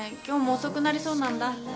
今日も遅くなりそうなんだ。